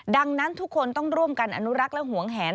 ดังนั้นทุกคนต้องร่วมกันอนุรักษ์และหวงแหน